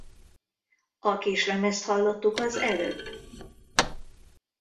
A kislemezt hallottuk az előbb?